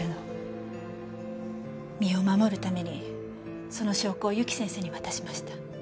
身を守るためにその証拠をゆき先生に渡しました。